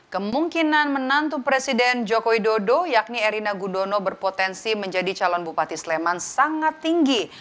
kemungkinan menantu presiden joko widodo yakni erina gudono berpotensi menjadi calon bupati sleman sangat tinggi